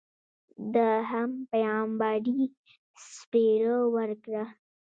ده هم پیغمبري څپېړه ورکړه.